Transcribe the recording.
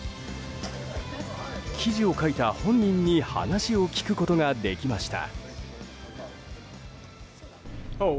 記事を書いた本人に話を聞くことができました。